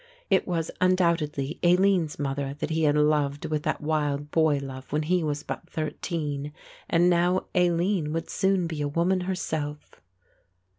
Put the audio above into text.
It was undoubtedly Aline's mother that he had loved with that wild boy love when he was but thirteen, and now Aline would soon be a woman herself!